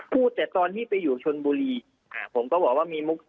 พูดแต่ตอนที่ไปอยู่ชนบุรีอ่าผมก็บอกว่ามีมุก